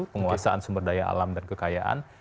penguasaan sumber daya alam dan kekayaan